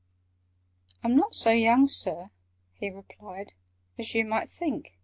"I'm not so young, Sir," he replied, "As you might think.